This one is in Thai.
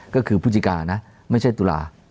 ก็คือพุจิการ่ะไม่ใช่ตุลาคม